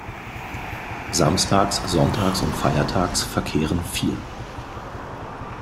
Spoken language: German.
Samstags, sonntags und feiertags verkehren vier.